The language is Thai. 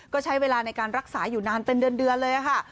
ก็ใช้เวลาในการรักษาอยู่นานเป็นเดือนเลยค่ะ